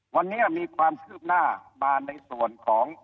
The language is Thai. วันนี้มีความคืบหน้ามาในส่วนของ